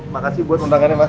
makasih buat undangannya ma